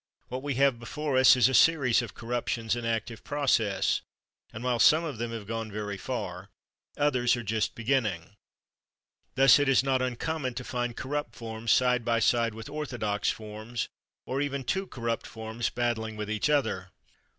What we have before us is a series of corruptions in active process, and while some of them have gone very far, others are just beginning. Thus it is not uncommon to find corrupt forms side by side with orthodox forms, or even two corrupt forms battling with each other.